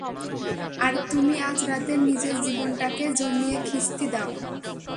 আর তুমি আজ রাতে নিজের জীবনটাকে জমিয়ে খিস্তি দাও।